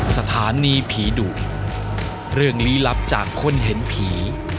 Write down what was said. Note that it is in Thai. สถานีผีดุเรื่องลี้ลับจากคนเห็นผี